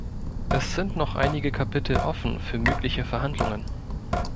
Es sind noch einige Kapitel offen für mögliche Verhandlungen.